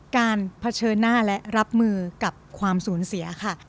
เผชิญหน้าและรับมือกับความสูญเสียค่ะ